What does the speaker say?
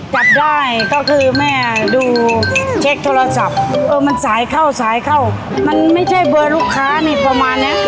จับได้ก็คือแม่ดูเช็คโทรศัพท์เออมันสายเข้าสายเข้ามันไม่ใช่เบอร์ลูกค้านี่ประมาณเนี้ย